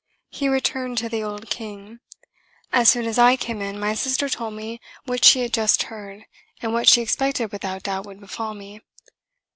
He returned to the old king. As soon as I came in, my sister told me what she had just heard, and what she expected without doubt would befal me.